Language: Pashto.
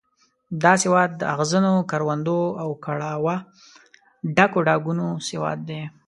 دا سواد د اغزنو کروندو او کړاوه ډکو ډاګونو سواد دی.